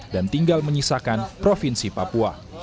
dan tinggal menyisakan provinsi papua